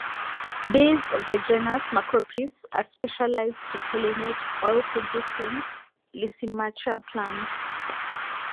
Bees of the genus "Macropis" are specialized to pollinate oil-producing "Lysimachia" plants.